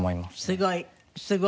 すごい。